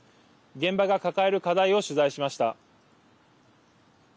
現場が抱える課題を取材しました。